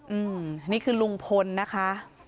อืมนี่คือลุงพลนะคะ